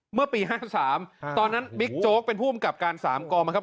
เมื่อปี๕๓ตอนนั้นบิ๊กโจ๊กเป็นผู้อำกับการ๓กองบังคับ